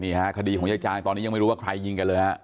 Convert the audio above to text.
คดีของยายจางตอนนี้ยังไม่รู้ว่าใครยิงกันเลยฮะ